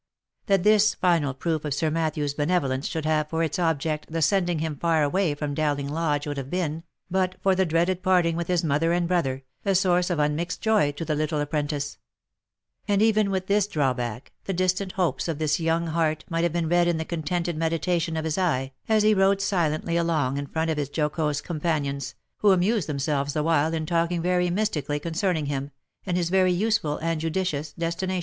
That this final proof of Sir Matthew's benevolence should have for its object the sending him far away from Dowling Lodge would have been, but for the dreaded parting with his mother and brother, a source of unmixed joy to the little apprentice; and, even with this drawback, the distant hopes of his young heart might have been read in the contented medi tation of his eye, as he rode silently along in front of his jocose com panions, who amused themselves the while in talking very mystically concerning him, and his very useful and judicious destination.